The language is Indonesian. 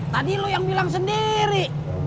tadi lo yang bilang sendiri